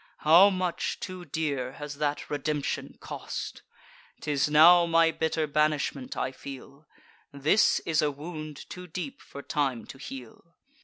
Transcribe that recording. How much too dear has that redemption cost! 'Tis now my bitter banishment I feel: This is a wound too deep for time to heal.